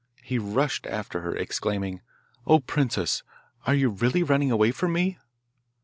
He rushed after her exclaiming, 'O princess! are you really running away from me?